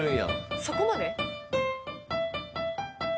そこまで？